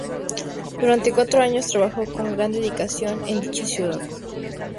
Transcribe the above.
Durante cuatro años trabajó con gran dedicación en dicha ciudad.